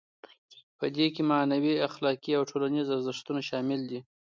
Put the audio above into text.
په دې کې معنوي، اخلاقي او ټولنیز ارزښتونه شامل دي.